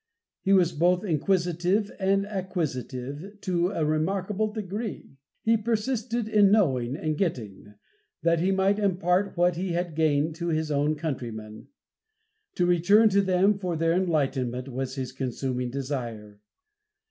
He was both inquisitive and acquisitive to a remarkable degree. He persisted in knowing and getting, that he might impart what he had gained to his own countrymen. To return to them for their enlightenment, was his consuming desire.